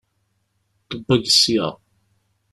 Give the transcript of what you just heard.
Ṭebbeg sya!